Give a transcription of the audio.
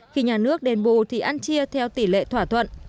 khi nhà nước đền bù thì ăn chia theo tỷ lệ thỏa thuận